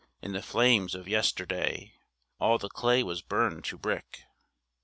In the flames of yesterday All the clay was burned to brick.